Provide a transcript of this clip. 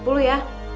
aduh udah deh